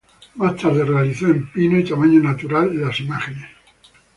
Más tarde realiza en pino y tamaño natural las imágenes de N. Sra.